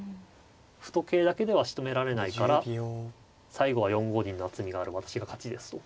歩と桂だけではしとめられないから最後は４五銀の厚みがある私が勝ちですと。